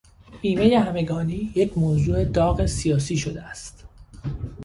بیمهی همگانی یک موضوع داغ سیاسی شده است.